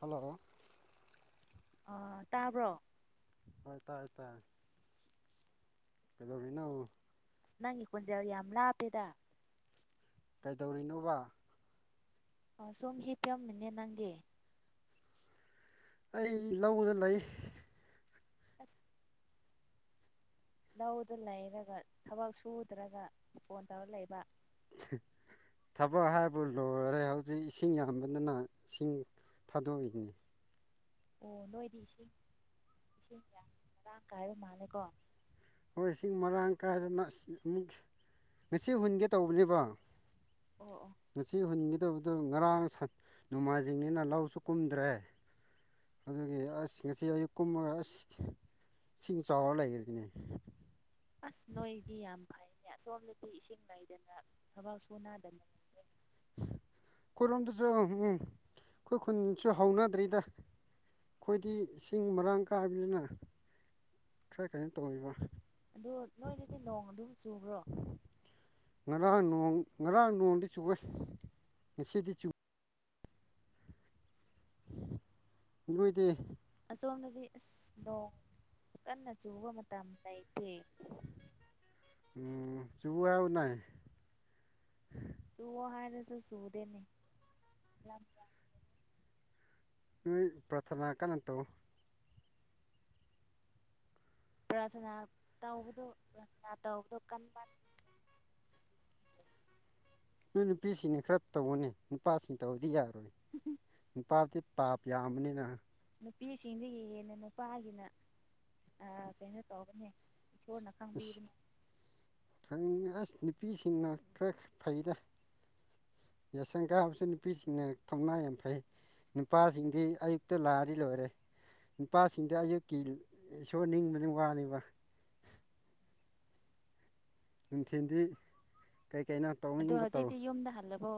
Hello ꯑ ꯇꯥꯕ꯭ꯔꯣ ꯑ ꯇꯥꯏ ꯇꯥꯏ ꯀꯩꯗꯧꯔꯤꯅꯣ ꯑꯁ ꯅꯪꯒꯤ ꯈꯣꯟꯖꯦꯜ ꯌꯥꯝ ꯂꯥꯞꯄꯤꯗ ꯀꯩꯗꯧꯔꯤꯅꯣꯕ ꯁꯨꯝ ꯍꯤꯔꯝꯃꯤꯅꯦ ꯅꯪꯗꯤ ꯑꯩ ꯂꯧꯗ ꯂꯩ ꯑꯁ ꯂꯧꯗ ꯂꯩꯔꯒ ꯊꯕꯛ ꯁꯨꯗ꯭ꯔꯒ ꯐꯣꯟ ꯇꯧꯔ ꯂꯩꯕ [unintelligible] ꯊꯕꯛ ꯍꯥꯏꯕꯨ ꯂꯣꯏꯔꯦ ꯍꯧꯖꯤꯛ ꯏꯁꯤꯡ ꯌꯥꯝꯕꯅꯤꯅ ꯏꯁꯤꯡ ꯊꯥꯗꯣꯛꯏꯅꯦ ꯑꯣ ꯅꯣꯏꯗꯤ ꯏꯁꯤꯡ ꯏꯁꯤꯡ ꯌꯥꯝꯅ ꯃꯔꯥꯡ ꯀꯥꯏꯕ ꯃꯥꯜꯂꯦꯀꯣ ꯍꯣꯏ ꯏꯁꯤꯡ ꯃꯔꯥꯡ ꯀꯥꯏꯗꯅ ꯑꯁ ꯑꯃꯨꯛ ꯉꯁꯤ ꯍꯨꯟꯒꯦ ꯇꯧꯕꯅꯦꯕ ꯑꯣ ꯑꯣ ꯉꯁꯤ ꯍꯨꯟꯈꯤꯗꯧꯕꯗꯣ ꯉꯔꯥꯡ ꯅꯣꯡꯃꯥꯏꯖꯤꯡꯅꯤꯅ ꯂꯧꯁꯨ ꯀꯨꯝꯗ꯭ꯔꯦ ꯑꯗꯨꯒꯤ ꯑꯁ ꯉꯁꯤ ꯑꯌꯨꯛ ꯀꯨꯝꯃꯒ ꯑꯁ ꯏꯁꯤꯡ ꯆꯥꯎꯔ ꯂꯩꯈꯤꯒꯤꯅꯦ ꯑꯁ ꯅꯣꯏꯗꯤ ꯌꯥꯝ ꯐꯩꯅꯦ ꯑꯁꯣꯝꯗꯗꯤ ꯏꯁꯤꯡ ꯂꯩꯗꯅ ꯊꯕꯛ ꯁꯨꯅꯗꯅ ꯂꯩꯔꯦ ꯑꯩꯈꯣꯏꯔꯣꯝꯗꯁꯨ ꯎꯝ ꯎꯝ ꯑꯩꯈꯣꯏ ꯈꯨꯟꯁꯨ ꯍꯧꯅꯗ꯭ꯔꯤꯗ ꯑꯩꯈꯣꯏꯗꯤ ꯏꯁꯤꯡ ꯃꯔꯥꯡ ꯀꯥꯏꯕꯅꯤꯅ ꯈꯔ [inaudible] ꯇꯧꯏꯕ ꯑꯗꯣ ꯅꯣꯏꯗꯗꯤ ꯅꯣꯡ ꯑꯗꯨꯝ ꯆꯨꯕ꯭ꯔꯣ ꯉꯔꯥꯡ ꯅꯣꯡ ꯉꯔꯥꯡ ꯅꯣꯡꯗꯤ ꯆꯨꯨꯋꯦ ꯉꯁꯤꯗꯤ ꯆꯨ ꯅꯣꯏꯗꯤ ꯑꯁꯣꯝꯗꯗꯤ ꯑꯁ ꯅꯣꯡ ꯀꯟꯅ ꯆꯨꯕ ꯃꯇꯝ ꯂꯩꯇꯦ ꯎꯝ ꯆꯨꯋꯣ [inaudible] ꯆꯨꯋꯣ ꯍꯥꯏꯔꯁꯨ ꯆꯨꯗꯦꯅꯦ ꯂꯝ ꯌꯥꯝ ꯅꯣꯏ ꯄ꯭ꯔꯊꯅꯥ ꯀꯟꯅ ꯇꯧ ꯄ꯭ꯔꯊꯅꯥ ꯇꯧꯕꯗꯣ ꯄ꯭ꯔꯊꯅꯥ ꯇꯧꯕꯗꯣ ꯀꯟꯃꯟ ꯅꯣꯏ ꯅꯨꯄꯤꯁꯤꯡꯅ ꯈꯔ ꯇꯧꯋꯣꯅꯦ ꯅꯨꯄꯥꯁꯤꯡꯅ ꯇꯧꯕꯗꯤ ꯌꯥꯔꯣꯏ [unintelligible] ꯅꯨꯄꯥꯗꯤ ꯄꯥꯞ ꯌꯥꯝꯕꯅꯤꯅ ꯅꯨꯄꯤꯁꯤꯡꯗꯒꯤ ꯍꯦꯟꯅ ꯅꯨꯄꯥꯒꯤꯅ ꯑ ꯀꯩꯅꯣ ꯇꯧꯕꯅꯦ ꯏꯁꯣꯔꯅ ꯏꯁ ꯈꯪꯕꯤꯕꯅꯦ [inaudible] ꯑꯁ ꯅꯨꯄꯤꯁꯤꯡꯅ ꯈꯔ ꯐꯩꯗ ꯌꯥꯎꯁꯪꯒ ꯍꯥꯎꯁꯤ ꯅꯨꯄꯤꯁꯤꯡꯅ ꯊꯧꯅꯥ ꯌꯥꯝ ꯐꯩ ꯅꯨꯄꯥꯁꯤꯡꯗꯤ ꯑꯌꯨꯛꯇ ꯂꯥꯛꯔꯗꯤ ꯂꯣꯏꯔꯦ ꯅꯨꯄꯥꯁꯤꯡꯗꯤ ꯑꯌꯨꯛꯀꯤ ꯏꯁꯣꯔ ꯅꯤꯡꯕꯗꯤ ꯋꯥꯔꯤꯕ ꯅꯨꯡꯊꯤꯜꯗꯤ ꯀꯩꯀꯩꯅꯣ ꯑꯗꯣ ꯍꯧꯖꯤꯛꯇꯤ ꯌꯨꯝꯗ ꯍꯜꯂꯕꯣ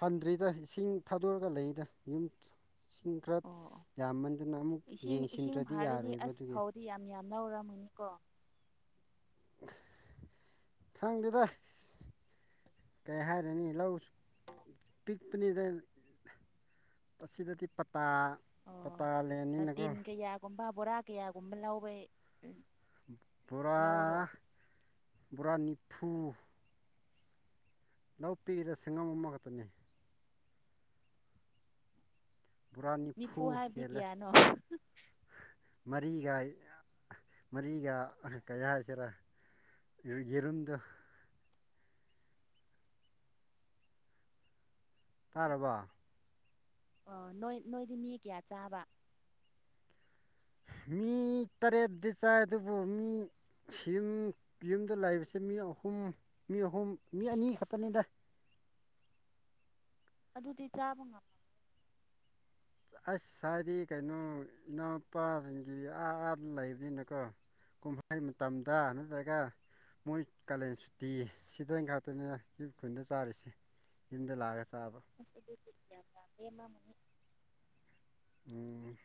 ꯍꯟꯗ꯭ꯔꯤꯗ ꯏꯁꯤꯡ ꯊꯛꯔꯒ ꯂꯩꯔꯤꯗ ꯌꯨꯝ ꯏꯁꯤꯡ ꯈꯔ ꯑꯣ ꯑꯣ ꯌꯥꯝꯃꯟꯗꯨꯅ ꯑꯃꯨꯛ ꯌꯦꯡꯁꯤꯟꯗ꯭ꯔꯗꯤ ꯌꯥꯔꯣꯏꯕ ꯑꯗꯨꯒꯤ ꯑꯗꯨꯗꯤ ꯌꯥꯝ ꯌꯥꯝ ꯂꯧꯔꯕꯅꯤꯀꯣ ꯈꯪꯗꯦꯗ ꯀꯩ ꯍꯥꯏꯔꯨꯅꯤ ꯂꯧ ꯄꯤꯛꯄꯅꯤꯗ ꯑꯁꯤꯗꯗꯤ ꯄꯠꯇꯥ ꯑꯣ ꯇꯤꯟ ꯀꯌꯥꯒꯨꯝꯕ ꯕꯣꯔꯥ ꯀꯌꯥꯒꯨꯝꯕ ꯂꯨꯋꯦ ꯕꯣꯔꯥ ꯕꯣꯔꯥ ꯅꯤꯐꯨ ꯂꯧ ꯄꯤꯛꯏꯗ ꯁꯡꯒꯝ ꯑꯃꯈꯛꯇꯅꯦ ꯕꯣꯔꯥ ꯅꯤꯐꯨ ꯍꯥꯏꯕꯗꯤ ꯍꯦꯜꯂꯦ ꯀꯌꯥꯅꯣ ꯃꯔꯤꯒ ꯃꯔꯤꯒ ꯀꯔꯤ ꯍꯥꯏꯁꯤꯔꯥ ꯌꯦꯔꯨꯝꯗꯣ ꯇꯥꯔꯥꯕꯣ ꯑꯣ ꯅꯣꯏ ꯅꯣꯏꯗꯤ ꯃꯤ ꯀꯌꯥ ꯆꯥꯕ꯫ ꯃꯤ ꯇꯔꯦꯠꯗꯤ ꯆꯥꯏ ꯑꯗꯨꯕꯨ ꯃꯤ ꯌꯨꯝ ꯌꯨꯝꯗ ꯂꯩꯕꯁꯦ ꯃꯤ ꯑꯍꯨꯝ ꯃꯤ ꯑꯍꯨꯝ ꯃꯤ ꯑꯅꯤ ꯈꯛꯇꯅꯤꯗ ꯑꯗꯨꯗꯤ ꯆꯥꯕꯥ ꯉꯝꯗꯦ ꯑꯁ ꯍꯥꯏꯗꯤ ꯀꯩꯅꯣ ꯏꯅꯥꯎꯄꯥꯁꯤꯡꯒꯤ ꯑꯥ ꯑꯞ ꯂꯩꯕꯅꯤꯅꯀꯣ ꯀꯨꯝꯍꯩ ꯃꯇꯝꯗ ꯅꯠꯇ꯭ꯔꯒ ꯃꯣꯏ ꯀꯥꯂꯦꯟ ꯁꯨꯇꯤ ꯁꯤꯗ ꯉꯥꯛꯇꯅꯦ ꯑꯩꯈꯣꯏ ꯈꯨꯟꯗ ꯆꯥꯔꯤꯁꯦ ꯌꯨꯝꯗ ꯂꯥꯛꯑꯒ ꯆꯥꯕꯥ ꯑꯗꯨꯗꯤ ꯌꯥꯝ ꯌꯥꯝꯃꯦ ꯃꯥꯡꯉꯥꯅꯤ ꯎꯝ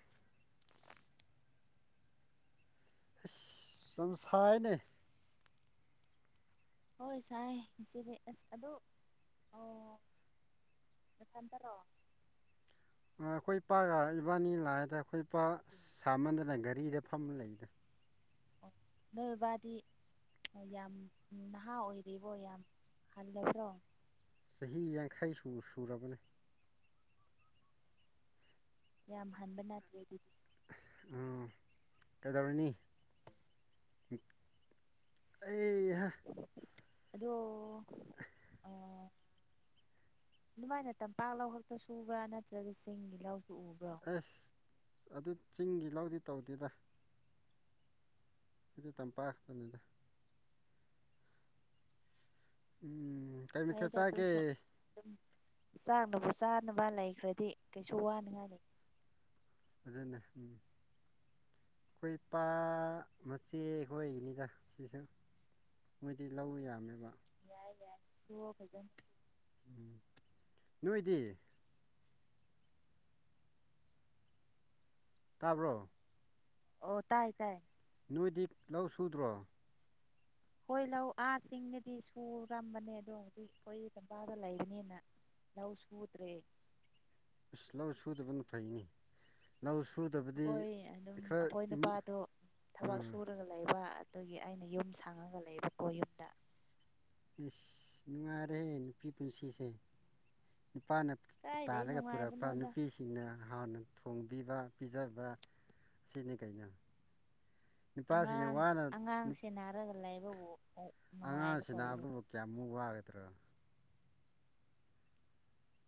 ꯌꯥꯝ ꯁꯥꯏꯌꯦꯅꯦ ꯍꯣꯏ ꯁꯥꯏꯌꯦ ꯑꯁꯤꯗꯤ ꯑꯗꯣ ꯑꯣ ꯏꯊꯟꯇ꯭ꯔꯣ ꯑꯩꯈꯣꯏ ꯏꯄꯥꯒ ꯏꯕꯥꯅꯤ ꯂꯥꯛꯑꯦꯗ ꯑꯩꯈꯣꯏ ꯏꯄꯥ ꯁꯥꯃꯟꯗꯅ ꯒꯥꯔꯤꯗ ꯐꯝꯃꯒ ꯂꯩ ꯅꯣꯏ ꯕꯥꯕꯥꯗꯤ ꯌꯥꯝ ꯅꯍꯥ ꯑꯣꯏꯔꯤꯕꯣ ꯌꯥꯝ ꯈꯡꯗꯕ꯭ꯔꯣ ꯆꯍꯤ ꯌꯥꯡꯈꯩ ꯁꯨ ꯁꯨꯔꯕꯅꯦ ꯌꯥꯝ ꯍꯟꯕ ꯅꯠꯇ꯭ꯔꯦ ꯑꯗꯨꯗꯤ ꯎꯝ ꯀꯩꯗꯧꯔꯨꯅꯤ ꯑꯩꯑꯥ ꯑꯗꯣ [inaudible] ꯑꯗꯨꯃꯥꯏꯅ ꯇꯝꯄꯥꯛ ꯂꯧ ꯈꯛꯇ ꯁꯨꯕ꯭ꯔꯥ ꯅꯠꯇ꯭ꯔꯒ ꯆꯤꯡꯒꯤ ꯂꯧꯁꯨ ꯎꯕ꯭ꯔꯣ ꯑꯁ ꯑꯗꯨ ꯆꯤꯡꯒꯤ ꯂꯧꯗꯤ ꯇꯧꯗꯦꯗ ꯑꯗꯨꯗꯤ ꯇꯝꯄꯥꯛꯈꯛꯇꯅꯤꯗ ꯎꯝ ꯀꯩ ꯃꯊꯦꯜ ꯍꯣꯏꯗ ꯆꯥꯒꯦ ꯇꯧꯁꯥꯅꯨ ꯑꯗꯨꯝ ꯆꯥꯛꯅꯕꯨ ꯆꯥꯅꯕ ꯂꯩꯈ꯭ꯔꯗꯤ ꯀꯩꯁꯨ ꯋꯥꯅꯤꯡꯉꯥꯏ ꯂꯩꯇꯦ ꯑꯗꯨꯅꯦ ꯎꯝ ꯑꯩꯈꯣꯏ ꯏꯄꯥ ꯃꯆꯦꯈꯣꯏꯒꯤꯅꯤꯗꯥ ꯁꯤꯁꯨ ꯃꯣꯏꯗꯤ ꯂꯧ ꯌꯥꯝꯃꯦꯕꯥ ꯌꯥꯏ ꯌꯥꯏ ꯁꯣ ꯐꯖꯥꯅ ꯎꯝ ꯅꯣꯏꯗꯤ ꯇꯥꯕ꯭ꯔꯣ ꯑꯣ ꯇꯥꯏ ꯇꯥꯏ ꯅꯣꯏꯗꯤ ꯂꯧ ꯁꯨꯗ꯭ꯔꯣ ꯍꯣꯏ ꯂꯧ ꯑꯥ ꯆꯤꯡꯗꯥꯗꯤ ꯁꯨꯔꯝꯕꯥꯅꯦ ꯑꯗꯣ ꯍꯧꯖꯤꯛ ꯑꯩꯈꯣꯏ ꯇꯝꯄꯥꯛꯗꯥ ꯂꯩꯕꯅꯤꯅꯥ ꯂꯧ ꯁꯨꯗ꯭ꯔꯦ ꯑꯁ ꯂꯧ ꯁꯨꯗꯥꯕꯅ ꯐꯩꯅꯦ ꯂꯧ ꯁꯨ ꯑꯩꯈꯣꯏ ꯑꯗꯨꯝ ꯑꯩꯈꯣꯏ ꯅꯨꯄꯥꯗꯣ ꯊꯥꯕꯛ ꯑꯥ ꯁꯨꯔꯒꯥ ꯂꯩꯕꯥ ꯑꯗꯨꯒꯤ ꯑꯩꯅꯥ ꯌꯨꯝ ꯁꯪꯉꯥꯒ ꯂꯩꯕꯥꯀꯣ ꯌꯨꯝꯗꯥ ꯑꯤꯁ ꯅꯨꯡꯉꯥꯏꯔꯦꯍꯦ ꯅꯨꯄꯤ ꯄꯨꯟꯁꯤꯁꯦ ꯅꯨꯄꯥꯅ ꯀꯥꯏꯗꯩ ꯇꯥꯜꯂꯥꯒ ꯄꯨꯔꯛꯄꯥ ꯅꯨꯡꯉꯥꯏꯕꯅꯣꯗ ꯅꯨꯄꯤ ꯁꯤꯡꯅꯥ ꯍꯥꯎꯅ ꯊꯣꯡꯕꯤꯕꯥ ꯄꯤꯖꯥꯕ ꯑꯁꯤꯅꯤ ꯀꯩꯅꯣ ꯅꯨꯄꯥꯁꯤꯅ ꯑꯉꯥꯡ ꯋꯥꯅ ꯑꯉꯥꯡ ꯁꯦꯟꯅꯥꯔꯒ ꯂꯩꯕꯥꯕꯨ ꯑꯉꯥꯡ ꯁꯦꯟꯅꯥꯕꯕꯨ ꯀꯌꯥꯃꯨꯛ ꯋꯥꯒꯥꯗ꯭ꯔꯣ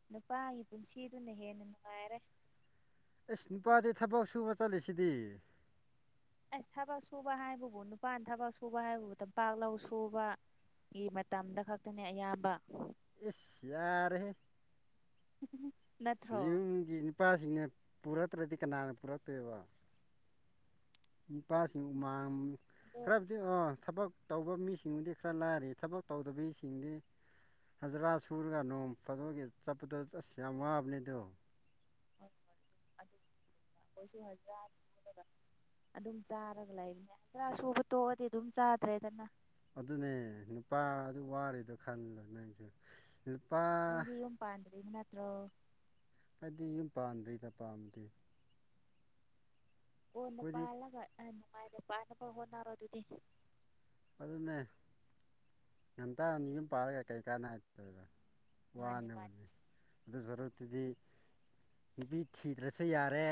ꯅꯨꯄꯥꯒꯤ ꯄꯨꯟꯁꯤꯗꯨꯅꯥ ꯍꯦꯟꯅꯥ ꯅꯨꯡꯉꯥꯏꯔꯦ ꯑꯦꯁ ꯅꯨꯄꯥꯗꯤ ꯊꯥꯕꯛ ꯁꯨꯕꯥ ꯆꯠꯂꯤꯁꯤꯗꯤ ꯑꯥꯁ ꯊꯥꯕꯛ ꯁꯨꯕ ꯍꯥꯏꯕꯥꯕꯨ ꯅꯨꯄꯥ ꯊꯥꯕꯛ ꯁꯨꯕꯥ ꯍꯥꯏꯕꯥꯕꯨ ꯇꯝꯄꯥꯛ ꯂꯧ ꯁꯨꯕꯥ ꯒꯤ ꯃꯇꯝꯗꯥ ꯈꯛꯇꯥꯅꯦ ꯑꯌꯥꯝꯕꯥ ꯏꯁ ꯌꯥꯔꯦꯍꯦ ꯅꯠꯇ꯭ꯔꯣ ꯌꯨꯝꯒꯤ ꯅꯨꯄꯥꯁꯤꯡꯅꯥ ꯄꯨꯔꯛꯇ꯭ꯔꯗꯤ ꯀꯅꯥꯅ ꯄꯨꯔꯛꯇꯣꯏꯕꯥ ꯅꯨꯄꯥꯁꯤꯡ ꯃꯥꯝ ꯑꯗꯣ ꯈꯔꯥꯕꯨ ꯍꯧꯖꯤꯛꯇꯤ ꯑ ꯊꯕꯛ ꯇꯧꯕ ꯃꯤꯁꯤꯡꯕꯨꯗꯤ ꯈꯔ ꯂꯥꯏꯔꯤ ꯊꯕꯛ ꯇꯧꯗꯥꯕꯤꯁꯤꯡꯗꯤ ꯍꯖꯥꯔꯥ ꯁꯨꯔꯒꯥ ꯅꯣꯡ ꯐꯥꯗꯣꯛꯒꯤ ꯆꯠꯄꯥꯗꯣ ꯑꯁ ꯌꯥꯝ ꯋꯥꯕꯥꯅꯦ ꯑꯗꯨ ꯑꯗꯨ ꯄꯣꯏꯁꯨ ꯍꯖꯤꯔꯥ ꯁꯨꯔꯥꯒꯥ ꯑꯗꯨꯝ ꯆꯥꯔꯥꯒ ꯂꯩꯕꯥꯅꯦ ꯍꯖꯤꯔꯥ ꯁꯨꯕꯥ ꯇꯣꯛꯑꯥꯗꯤ ꯑꯗꯨꯝ ꯆꯥꯗ꯭ꯔꯦꯗꯥꯅ ꯑꯗꯨꯅꯦ ꯅꯨꯄꯥꯗꯨ ꯋꯥꯔꯤꯗꯣ ꯈꯜꯂꯣ ꯅꯪꯁꯨ ꯅꯨꯄꯥ ꯅꯪꯗꯤ ꯌꯨꯝ ꯄꯥꯟꯗ꯭ꯔꯤꯕ ꯅꯠꯇ꯭ꯔꯣ ꯑꯩꯗꯤ ꯌꯨꯝ ꯄꯥꯟꯗ꯭ꯔꯤꯗꯥ ꯄꯥꯝꯗꯤ ꯀꯣꯟꯅ ꯑꯩꯈꯣꯏꯗꯤ ꯄꯥꯜꯂꯥꯒ ꯅꯨꯡꯉꯥꯏꯅꯥ ꯄꯥꯅꯕ ꯍꯣꯠꯅꯔꯣ ꯑꯗꯨꯗꯤ ꯑꯗꯨꯅꯦ ꯉꯟꯇꯥ ꯅꯥꯌꯨꯝ ꯄꯥꯜꯂꯥꯒ ꯀꯩ ꯀꯥꯟꯅ ꯇꯧꯔꯤꯕꯥ ꯃꯥꯅꯦ ꯃꯥꯅꯦ ꯋꯥꯅꯥꯕꯅꯦ ꯑꯗꯨ ꯁꯥꯔꯨꯠꯇꯨꯗꯤ ꯅꯨꯄꯤ ꯊꯤꯗ꯭ꯔꯁꯨ ꯌꯥꯔꯦ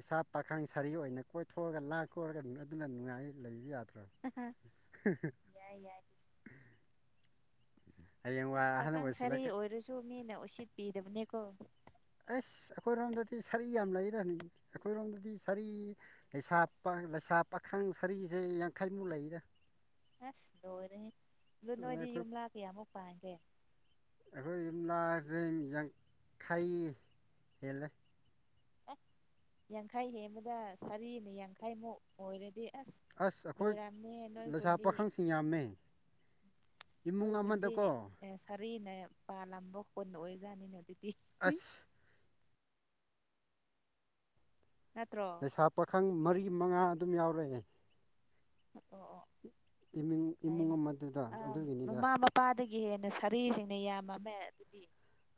ꯏꯁꯥ ꯄꯥꯈꯪ ꯁꯥꯔꯤ ꯑꯣꯏꯅꯥ ꯀꯣꯏꯊꯣꯛꯑꯥꯒ ꯂꯥ ꯀꯣꯏꯔꯥꯒ ꯑꯗꯨꯅ ꯅꯨꯡꯉꯥꯏ ꯂꯩꯕ ꯌꯥꯗ꯭ꯔꯣ ꯑꯥꯍꯥ [unintelligible] ꯌꯥꯏ ꯌꯥꯏ ꯍꯌꯦꯡꯋꯥꯏ ꯑꯁ ꯑꯍꯜ ꯄꯥꯈꯪ ꯁꯥꯔꯤ ꯑꯣꯏꯁꯤꯜꯂꯒ ꯑꯣꯏꯔꯥꯁꯨ ꯃꯤꯅꯥ ꯎꯁꯤꯠꯄꯤꯗꯥꯕꯅꯦꯀꯣ ꯑꯦꯁ ꯑꯩꯈꯣꯏꯔꯣꯝꯗꯥꯗꯤ ꯁꯥꯔꯤ ꯌꯥꯝ ꯂꯩꯔꯥꯅꯤ ꯑꯩꯈꯣꯏꯔꯣꯝꯗꯥꯗꯤ ꯁꯥꯔꯤ ꯂꯩꯁꯥ ꯄꯥ ꯂꯩꯁꯥ ꯄꯥꯈ꯭ꯔꯪ ꯁꯔꯤꯁꯦ ꯌꯥꯡꯈꯩꯃꯨꯛ ꯂꯩꯗꯥ ꯑꯁ ꯂꯣꯏꯔꯦꯍꯦ ꯑꯗꯨ ꯑꯗꯨꯅ ꯅꯣꯏꯗꯤ ꯑꯩꯈꯣꯏ ꯌꯨꯝꯂꯥ ꯀꯌꯥꯃꯨꯛ ꯄꯥꯟꯒꯦ ꯑꯩꯈꯣꯏ ꯌꯨꯝꯂꯥꯁꯦ ꯌꯥꯡꯈꯩ ꯍꯦꯜꯂꯦ ꯑ ꯌꯥꯡꯈꯩ ꯍꯦꯟꯕꯗ ꯁꯔꯤꯅ ꯌꯥꯡꯈꯩꯃꯨꯛ ꯑꯣꯏꯔꯗꯤ ꯑꯁ ꯑꯁ ꯑꯩꯈꯣꯏ ꯂꯣꯏꯔꯝꯅꯦ ꯅꯣꯏ ꯂꯩꯁꯥ ꯈꯨꯟꯗꯤ ꯄꯥꯈꯪꯁꯤꯡ ꯌꯥꯝꯃꯦ ꯏꯃꯨꯡ ꯅꯣꯏ ꯈꯨꯟꯗꯤ ꯑꯃꯗꯀꯣ ꯑꯦ ꯁꯔꯤꯅ ꯄꯥꯜꯂꯝꯕ ꯈꯨꯟ ꯑꯣꯏꯖꯥꯠꯅꯤꯅꯦ ꯑꯗꯨꯗꯤ ꯑꯁ ꯅꯠꯇ꯭ꯔꯣ ꯂꯩꯁꯥ ꯄꯥꯈꯪ ꯃꯔꯤ ꯃꯉꯥ ꯑꯗꯨꯝ ꯌꯥꯎꯔꯦ ꯑꯣ ꯑꯣ ꯏꯃꯤꯡ ꯏꯃꯨꯡ ꯑꯃꯗꯨꯗ ꯑꯗꯨꯒꯤꯅꯤꯗ ꯏꯄꯥꯗꯒꯤ ꯍꯦꯟꯅ ꯁꯔꯤꯁꯤꯡꯅ ꯌꯥꯝꯃꯝꯃꯦ ꯑꯗꯨꯗꯤ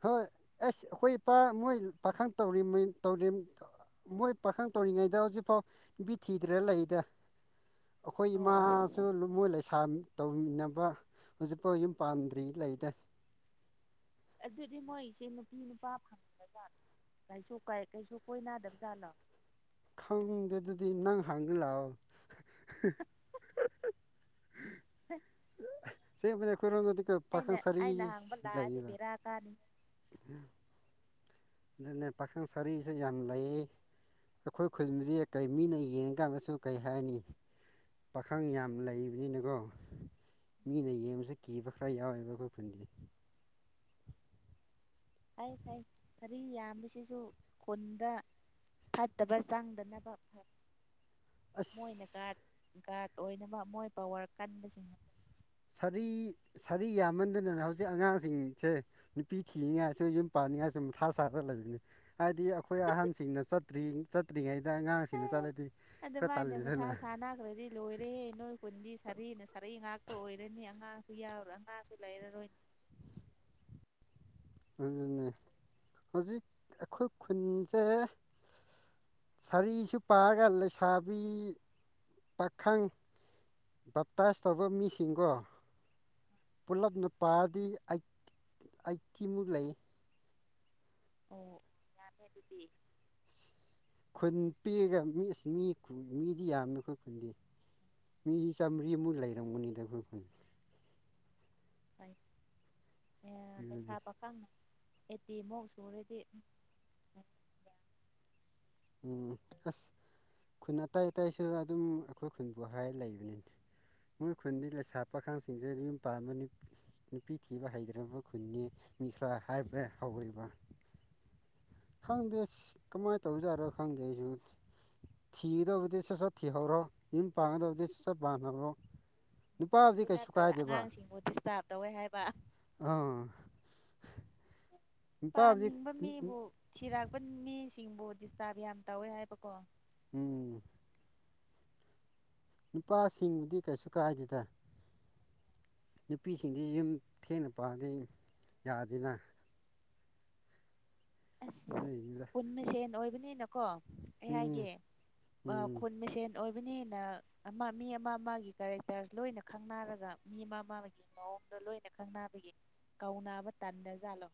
ꯍꯣꯏ ꯑꯁ ꯑꯩꯈꯣꯏ ꯏꯄꯥ ꯃꯣꯏ ꯄꯥꯈꯪ ꯇꯧꯔꯤꯃꯤ ꯇꯧꯔꯤꯝ ꯃꯣꯏ ꯄꯥꯈꯪ ꯇꯧꯔꯤꯉꯩꯗ ꯍꯧꯖꯤꯛꯐꯥꯎ ꯅꯨꯄꯤ ꯊꯤꯗ꯭ꯔꯥ ꯂꯩꯗ ꯑꯩꯈꯣꯏ ꯑꯣ ꯏꯃꯥꯁꯨ ꯑꯣ ꯂꯨ ꯃꯣꯏ ꯂꯩꯁꯥꯃꯤ ꯇꯧꯃꯤꯟꯅꯕ ꯍꯧꯖꯤꯛꯐꯥꯎ ꯌꯨꯝ ꯄꯥꯟꯗ꯭ꯔꯤ ꯂꯩꯗꯥ ꯑꯗꯨꯗꯤ ꯃꯣꯏ ꯁꯦ ꯅꯨꯄꯤ ꯅꯨꯄꯥ ꯐꯪꯗ꯭ꯔꯖꯥꯠꯂꯣ ꯀꯩꯁꯨ ꯀꯩꯁꯨ ꯀꯣꯏꯅꯗꯕ ꯖꯥꯠꯂꯣ ꯈꯪꯗꯦ ꯑꯗꯨꯗꯤ ꯅꯪ ꯍꯪꯉꯨ ꯂꯥꯛꯑꯣ [inaudible] ꯑꯁꯦꯡꯕꯅꯦ ꯑꯩꯈꯣꯏꯇꯣꯝꯗꯗꯤꯀꯣ ꯑꯩꯅ ꯑꯩꯅ ꯍꯪꯕ ꯂꯥꯛꯑꯗꯤ ꯕꯦꯔꯥ ꯀꯥꯅꯤ ꯑꯗꯨꯅꯦ ꯄꯥꯈꯪ ꯁꯔꯤꯁꯨ ꯌꯥꯝ ꯂꯩ ꯑꯩꯈꯣꯏ ꯈꯨꯟꯕꯨꯗꯤ ꯀꯩ ꯃꯤꯅ ꯌꯦꯡꯉꯀꯥꯟꯗꯁꯨ ꯀꯩ ꯍꯥꯏꯅꯤ ꯄꯥꯈꯪ ꯌꯥꯝ ꯂꯩꯕꯅꯤꯅꯀꯣ ꯃꯤꯅ ꯌꯦꯡꯕꯁꯨ ꯀꯤꯕ ꯈꯔ ꯌꯥꯎꯋꯦꯕ ꯑꯩꯈꯣꯏ ꯈꯨꯟꯗꯤ ꯐꯩ ꯐꯩ ꯁꯥꯔꯤ ꯌꯥꯝꯕꯁꯤꯁꯨ ꯈꯨꯟꯗ ꯐꯠꯇꯕ ꯆꯪꯗꯅꯕ ꯐꯩ ꯃꯣꯏꯅ ꯑꯁ ꯒꯥꯠ ꯒꯥ꯭ꯔꯗ ꯑꯣꯏꯅꯕ ꯃꯣꯏ ꯄꯋꯥꯔ ꯀꯟꯕꯁꯤꯡꯗꯣ ꯁꯥꯔꯤ ꯁꯥꯔꯤ ꯌꯥꯝꯃꯟꯗꯗꯅ ꯍꯧꯖꯤꯛ ꯑꯉꯥꯡꯁꯤꯡꯁꯦ ꯅꯨꯄꯤ ꯊꯤꯅꯤꯡꯉꯥꯏꯁꯨ ꯌꯨꯝ ꯄꯥꯅꯤꯡꯉꯥꯏꯁꯨ ꯃꯊꯥ ꯁꯥꯔ ꯂꯩꯕꯅꯤ ꯍꯥꯏꯗꯤ ꯑꯩꯈꯣꯏ ꯑꯍꯟꯁꯤꯡꯅ ꯆꯠꯇ꯭ꯔꯤ ꯆꯠꯇ꯭ꯔꯤꯉꯩꯗ ꯑꯉꯥꯡꯁꯤꯡꯅ ꯆꯠꯂꯗꯤ ꯑꯗꯨ ꯈꯔ ꯃꯥꯥꯏꯅ ꯃꯊꯥ ꯇꯜꯂꯤꯗꯅ ꯁꯥꯅꯈ꯭ꯔꯗꯤ ꯂꯣꯏꯔꯦꯍꯦ ꯅꯣꯏ ꯈꯨꯟꯗꯤ ꯁꯥꯔꯤꯅ ꯁꯥꯔꯤ ꯉꯥꯛꯇ ꯑꯣꯏꯔꯅꯤ ꯑꯉꯥꯡꯁꯨ ꯌꯥꯎꯔꯣꯏ ꯑꯉꯥꯡꯁꯨ ꯂꯩꯔꯔꯣꯏ ꯑꯗꯨꯅꯦ ꯍꯧꯖꯤꯛ ꯑꯩꯈꯣꯏ ꯈꯨꯟꯖꯦ ꯁꯥꯔꯤꯁꯨ ꯄꯥꯔꯒ ꯂꯩꯁꯥꯕꯤ ꯄꯥꯈꯪ ꯕꯥꯞꯇꯥꯏꯁ ꯇꯧꯕ ꯃꯤꯁꯤꯡꯀꯣ ꯄꯨꯜꯂꯞꯅ ꯄꯥꯔꯗꯤ ꯑꯏ ꯑꯥꯏꯇꯤꯃꯨꯛ ꯂꯩꯌꯦ ꯑꯣ ꯌꯥꯝꯃꯦ ꯑꯗꯨꯗꯤ ꯈꯨꯟ ꯄꯤꯛꯑꯒ ꯃꯤꯁ ꯃꯤ ꯃꯤꯗꯤ ꯌꯥꯝꯃꯦ ꯑꯩꯈꯣꯏ ꯈꯨꯟꯗꯤ ꯃꯤ ꯆꯥꯃ꯭ꯔꯤ ꯃꯨꯛ ꯂꯩꯔꯝꯒꯅꯤꯗ ꯑꯩꯈꯣꯏ ꯈꯨꯟ ꯑꯩ ꯑꯦ ꯂꯩꯁꯥ ꯑꯗꯨꯗꯤ ꯄꯥꯈꯪ ꯑꯦꯠꯇꯤ ꯃꯨꯛ ꯁꯨꯔꯗꯤ ꯎꯝ ꯑꯁ ꯈꯨꯟ ꯑꯇꯩ ꯑꯇꯩꯁꯨ ꯑꯗꯨꯝ ꯑꯩꯈꯣꯏ ꯈꯨꯟꯕꯨ ꯍꯥꯏꯔ ꯂꯩꯕꯅꯤꯅꯦ ꯃꯣꯏ ꯈꯨꯟꯗꯤ ꯂꯩꯁꯥ ꯄꯥꯈꯪꯁꯤꯡꯁꯦ ꯌꯨꯝ ꯄꯥꯟꯕꯅꯤ ꯅꯨꯄꯤ ꯊꯤꯕ ꯍꯩꯇ꯭ꯔꯕ ꯈꯨꯟꯅꯤ ꯃꯤ ꯈꯥꯔ ꯍꯥꯏꯕ ꯍꯧꯋꯤꯕ ꯈꯪꯗꯦ ꯀꯃꯥꯏ ꯇꯧꯖꯥꯔꯣ ꯈꯪꯗꯦ ꯑꯩꯖꯨ ꯊꯤꯒꯗꯧꯕꯗꯤ ꯁꯠ ꯁꯠ ꯊꯤꯍꯧꯔꯣ ꯌꯨꯝ ꯄꯥꯟꯒꯗꯧꯕꯗꯤ ꯁꯠ ꯁꯠ ꯄꯥꯟꯍꯧꯔꯣ ꯅꯨꯄꯥꯕꯨꯗꯤ ꯑꯗꯨ ꯀꯩꯁꯨ ꯅꯠꯇ꯭ꯔꯒ ꯀꯥꯏꯗꯦꯕ ꯑꯉꯥꯡꯁꯤꯡꯕꯨ ꯗꯤꯁꯇꯥꯔꯕ ꯇꯧꯋꯦ ꯍꯥꯏꯕ ꯑꯪ ꯅꯨꯄꯥꯕꯨꯗꯤ ꯄꯥꯅꯤꯡꯕ ꯃꯤꯕꯨ ꯊꯤꯔꯛꯄ ꯃꯤꯁꯤꯡꯕꯨ ꯗꯤꯁꯇꯥꯔꯕ ꯌꯥꯝ ꯇꯧꯋꯦ ꯍꯥꯏꯕꯀꯣ ꯎꯝ ꯅꯨꯄꯥꯁꯤꯡꯕꯨꯗꯤ ꯀꯩꯁꯨ ꯀꯥꯏꯗꯦꯗꯥ ꯅꯨꯄꯤꯁꯤꯡꯗꯤ ꯌꯨꯝ ꯊꯦꯡꯅ ꯄꯥꯟꯗꯤ ꯌꯥꯗꯦꯅ ꯑꯁ ꯑꯗꯨꯏꯅꯤꯗ ꯄꯨꯟ ꯃꯁꯦꯟ ꯑꯣꯏꯕꯅꯤꯅꯀꯣ ꯑꯩ ꯍꯥꯏꯒꯦ ꯎꯝ ꯑ ꯎꯝ ꯈꯨꯟ ꯃꯁꯦꯟ ꯑꯣꯏꯕꯅꯤꯅ ꯑꯃ ꯃꯤ ꯑꯃ ꯑꯃꯒꯤ ꯀꯦꯔꯦꯛꯇꯔꯁ ꯂꯣꯏꯅ ꯈꯪꯅꯔꯒ ꯃꯤ ꯑꯃ ꯑꯃꯒꯤ ꯃꯑꯣꯡꯗꯣ ꯂꯣꯏꯅ ꯈꯪꯅꯥꯕꯒꯤ ꯀꯧꯅꯕ ꯇꯟꯗꯖꯥꯠꯂꯣ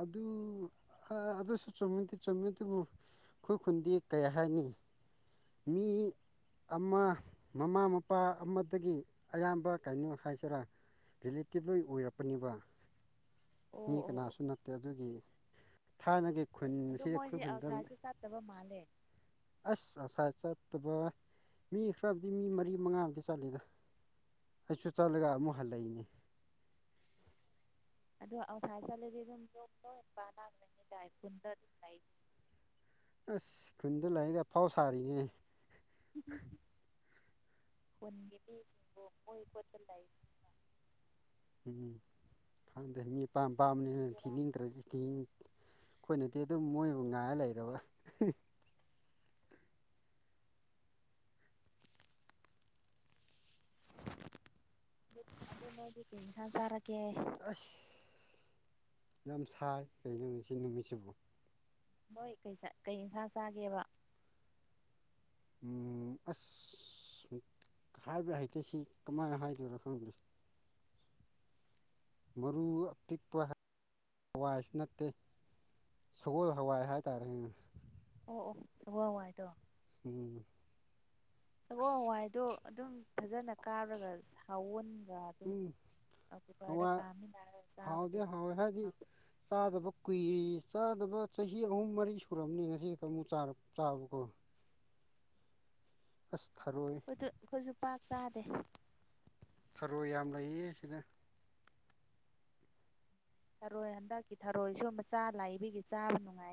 ꯑꯗꯨ ꯍ ꯑꯗꯨꯁꯨ ꯆꯨꯝꯕꯨꯗꯤ ꯆꯨꯝꯃꯤ ꯑꯗꯨꯕꯨ ꯑꯩꯈꯣꯏ ꯈꯨꯟꯗꯤ ꯀꯌꯥ ꯍꯥꯏꯅꯤ ꯃꯤ ꯑꯃ ꯃꯃꯥ ꯃꯄꯥ ꯑꯃꯇꯒꯤ ꯑꯌꯥꯝꯕ ꯀꯩꯅꯣ ꯍꯥꯏꯁꯤꯔꯥ ꯔꯤꯂꯦꯇꯤꯚꯜ ꯑꯣꯏꯔꯛꯄꯅꯤꯕ ꯃꯤ ꯑꯣ ꯑꯣ ꯀꯅꯥꯁꯨ ꯅꯠꯇꯦ ꯑꯗꯨꯒꯤ ꯊꯥꯏꯅꯒꯤ ꯈꯨꯟ ꯑꯁꯤ ꯑꯈꯣꯏ ꯈꯨꯟꯗ ꯇꯕ ꯃꯥꯜꯂꯦ ꯑꯁ ꯑꯥꯎꯁꯥꯏꯠ ꯆꯠꯇꯕ ꯃꯤ ꯈꯔꯕꯨꯗꯤ ꯃꯤ ꯃꯔꯤ ꯃꯉꯥ ꯕꯨꯗꯤ ꯆꯠꯂꯤꯗ ꯑꯩꯁꯨ ꯆꯠꯂꯒ ꯑꯃꯨꯛ ꯍꯜꯂꯛꯏꯅꯦ ꯑꯣ ꯑꯥꯎꯁꯥꯏꯠ ꯆꯠꯂꯗꯤ ꯑꯗꯨꯝ ꯂꯣꯝ ꯂꯣꯏ ꯄꯥꯅ ꯂꯩꯅꯤꯗꯥꯏ ꯈꯨꯟꯗ ꯂꯩ ꯑꯁ ꯈꯨꯟꯗ ꯂꯥꯛꯏꯒ ꯑꯐꯥꯎ ꯁꯥꯔꯤꯅꯦ ꯈꯨꯨꯟꯒꯤ ꯃꯤꯁꯤꯡꯕꯨ ꯃꯣꯏ ꯈꯨꯠꯇ ꯂꯩ ꯎꯝ ꯈꯪꯗꯦ ꯃꯤꯄꯥꯝ ꯄꯥꯝꯕꯅꯤ ꯕꯦꯔꯥꯅꯤ ꯊꯤꯅꯤꯡꯗ꯭ꯔꯒꯤꯗꯤ ꯑꯩꯈꯣꯏꯅꯗꯤ ꯑꯗꯨꯝ ꯃꯣꯏꯕꯨ ꯉꯥꯏꯔ ꯂꯩꯔꯕ ꯑꯗꯨ ꯅꯣꯏꯗꯤ ꯀꯩ ꯏꯟꯁꯥꯡ ꯆꯥꯔꯒꯦ ꯑꯁ ꯌꯥꯝ ꯁꯥꯏ ꯀꯩꯅꯣ ꯉꯁꯤ ꯅꯨꯃꯤꯠꯁꯤꯕꯨ ꯍꯣꯏ ꯀꯩꯁꯥ ꯀꯩ ꯏꯟꯁꯥꯡ ꯆꯥꯒꯦꯕ ꯎꯝ ꯑꯁ ꯍꯥꯏꯕ ꯍꯥꯏꯇꯦ ꯁꯤ ꯀꯃꯥꯏꯅ ꯍꯥꯏꯗꯣꯏꯔ ꯈꯪꯗ꯭ꯔꯤ ꯃꯔꯨ ꯑꯄꯤꯛꯄ ꯍꯋꯥꯏ ꯅꯠꯇꯦ ꯁꯒꯣꯜ ꯍꯋꯥꯏ ꯍꯥꯏꯇꯥꯔꯦꯅꯦ ꯑꯣ ꯑꯣ ꯁꯒꯣꯜꯍꯋꯥꯏꯗꯣ ꯎꯝ ꯁꯒꯣꯜ ꯑꯁ ꯍꯋꯥꯏꯗꯣ ꯑꯗꯨꯝ ꯐꯖꯅ ꯀꯥꯔꯒ ꯁꯥꯋꯨꯟꯒ ꯗꯨꯝ ꯎꯝ ꯑ ꯀꯨꯀꯔꯗ ꯍꯋꯥꯏ ꯀꯥꯝꯃꯤꯟꯅꯔ ꯍꯥꯎꯗꯤ ꯆꯥꯕꯗꯣ ꯍꯥꯎꯋꯦ ꯍꯥꯏꯗꯤ ꯍꯥꯎ ꯆꯥꯗꯕ ꯀꯨꯏꯔꯤ ꯆꯥꯗꯕ ꯆꯍꯤ ꯑꯍꯨꯝ ꯃꯔꯤ ꯁꯨꯔꯝꯅꯤ ꯉꯁꯤꯇ ꯑꯃꯨꯛ ꯆꯥꯔꯛ ꯆꯥꯕꯀꯣ ꯑꯁ ꯊꯔꯣꯏ ꯑꯩꯈꯣꯏꯁꯨ ꯄꯥꯛ ꯆꯥꯗꯦ ꯊꯔꯣꯏ ꯌꯥꯝ ꯂꯩꯌꯦ ꯁꯤꯗ ꯊꯔꯣꯏ ꯍꯟꯗꯛꯀꯤ ꯊꯔꯣꯏꯁꯨ ꯃꯆꯥ ꯂꯩꯕꯒꯤ ꯆꯥꯕ ꯅꯨꯡꯉꯥꯏ